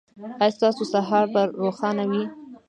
ایا ستاسو سهار به روښانه وي؟